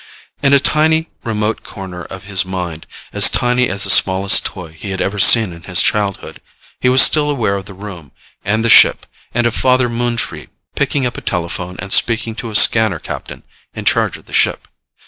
In a tiny remote corner of his mind, as tiny as the smallest toy he had ever seen in his childhood, he was still aware of the room and the ship, and of Father Moontree picking up a telephone and speaking to a Scanner captain in charge of the ship.